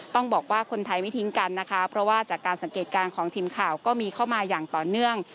ต้องบอกว่าคนไทยไม่ทิ้งกันนะคะเพราะว่าจากการสังเกตการณ์ของทีมข่าวก็มีเข้ามาอย่างต่อเนื่อง